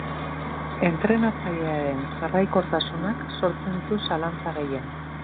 Entrenatzailearen jarraikortasunak sortzen ditu zalantza gehien.